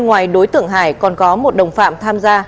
ngoài đối tượng hải còn có một đồng phạm tham gia